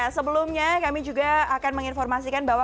sebelumnya kami juga akan menginformasikan bahwa